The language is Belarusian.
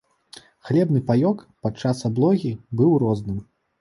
Хлебны паёк падчас аблогі быў розным.